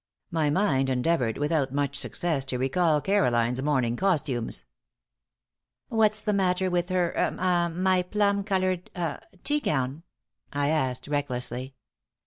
My mind endeavored, without much success, to recall Caroline's morning costumes. "What's the matter with her ah my plum colored ah tea gown?" I asked, recklessly.